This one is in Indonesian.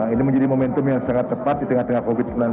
ini menjadi momentum yang sangat cepat di tengah tengah covid sembilan belas